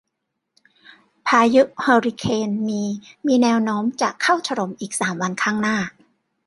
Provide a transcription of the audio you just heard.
พายุเฮอริเคนมีมีแนวโน้มจะเข้าถล่มอีกสามวันข้างหน้า